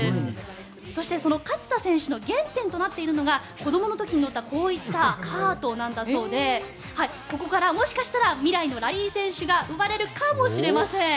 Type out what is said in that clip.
そして、その勝田選手の原点となっているのが子どもの時に乗ったこういったカートなんだそうでここからもしかしたら未来のラリー選手が生まれるかもしれません。